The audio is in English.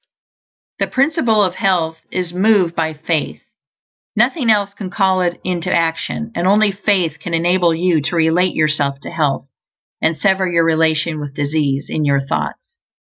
The Principle of Health is moved by Faith; nothing else can call it into action, and only faith can enable you to relate yourself to health, and sever your relation with disease, in your thoughts.